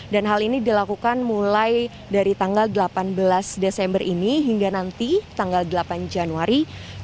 dan hal ini dilakukan mulai dari tanggal delapan belas desember ini hingga nanti tanggal delapan januari dua ribu dua puluh